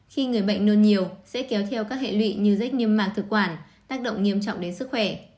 khi người bệnh nôn nhiều sẽ kéo theo các hệ lụy như rách niêm mạc thực quản tác động nghiêm trọng đến sức khỏe